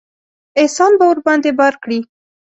احسان به ورباندې بار کړي.